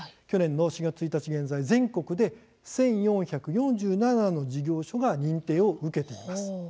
去年の４月１日現在全国で１４４７の事業所が認定を受けています。